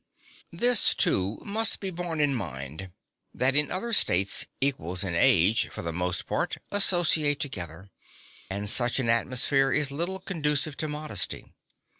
This too must be borne in mind, that in other states equals in age, (7) for the most part, associate together, and such an atmosphere is little conducive to modesty.